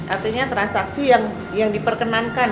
artinya transaksi yang diperkenankan